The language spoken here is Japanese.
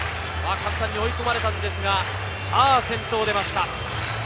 簡単に追い込まれたんですが、先頭出ました。